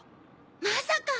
まさか。